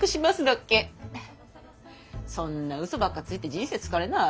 そんなウソばっかついて人生疲れない？